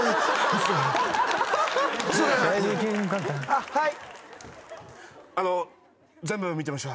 あっはい。